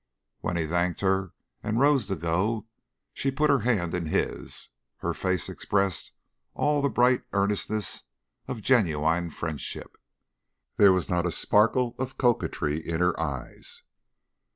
When he thanked her and rose to go and she put her hand in his, her face expressed all the bright earnestness of genuine friendship; there was not a sparkle of coquetry in her eyes.